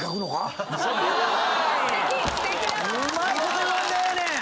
うまいこと言わんでええねん！